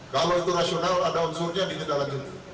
kalau itu rasional ada unsurnya ditindak lanjuti